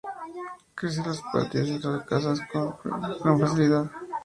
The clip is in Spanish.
Crece en los patios de las casas con gran facilidad.